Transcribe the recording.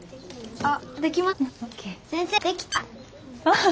あっ。